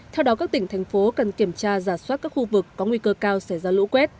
theo đó các tỉnh thành phố cần kiểm tra giả soát các khu vực có nguy cơ cao xảy ra lũ quét